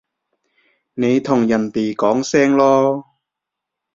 你同人哋講聲囉